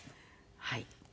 はい。